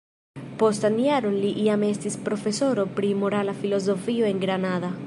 Postan jaron li jam estis profesoro pri morala filozofio en Granada.